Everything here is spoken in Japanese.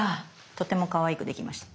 とてもかわいくできました。